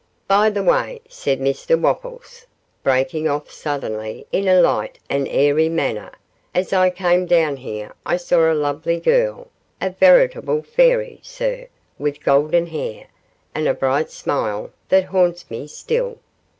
'By the way,' said Mr Wopples, breaking off suddenly in a light and airy manner, 'as I came down here I saw a lovely girl a veritable fairy, sir with golden hair, and a bright smile that haunts me still.